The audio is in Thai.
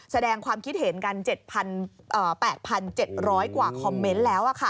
แสดงความคิดเห็นกันเจ็ดพันเอ่อแปดพันเจ็ดร้อยกว่าคอมเมนต์แล้วอ่ะค่ะ